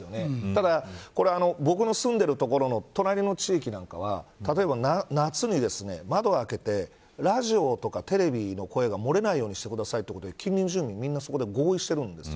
ただ、僕の住んでいる所の隣の地域なんかは例えば、夏に窓を開けてラジオとかテレビの声が漏れないようにしてくださいということで近隣住民みんなそこで合意してるんです。